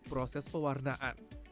lalu proses pewarnaan